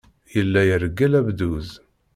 Yella ireggel abduz.